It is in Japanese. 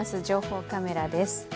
情報カメラです。